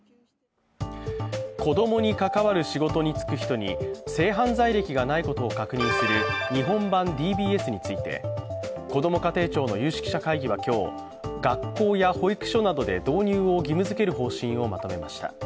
子供に関わる仕事に就く人に性犯罪歴がないことを確認する日本版ＤＢＳについてこども家庭庁の有識者会議は今日、学校や保育所などで導入を義務づける方針を決めました。